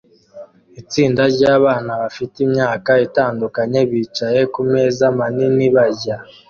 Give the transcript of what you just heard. Itsinda ryabana bafite imyaka itandukanye bicaye kumeza manini barya